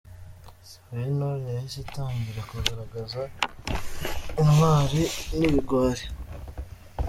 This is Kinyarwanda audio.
Isibo y’intore yahise itangira kugaragaza “intwari n’ibigwari”.